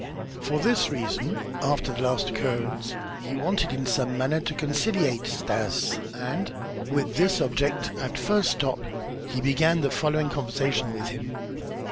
For this reason, after the last occurrence he wanted in some manner to conciliate Stas and, with this object, at the first stop, he began the following conversation with him.